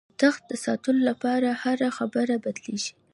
د تخت د ساتلو لپاره هره خبره بدلېږي.